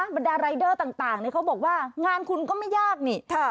บรรดารายเดอร์ต่างเขาบอกว่างานคุณก็ไม่ยากนี่